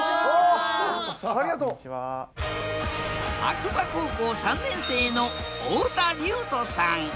白馬高校３年生の太田硫斗さん。